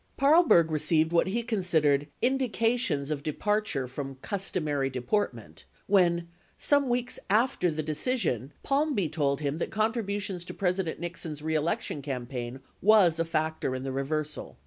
22 Paarlberg received what he considered "indications of departure from [customary] deportment" when, some weeks after the decision, Palmby told him that, contributions to President Nixon's reelection campaign was a factor in the reversal.